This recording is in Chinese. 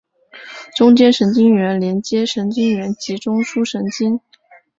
中间神经元连接神经元及中枢神经。